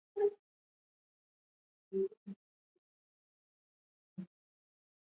aliidhinisha shilingi bilioni thelathini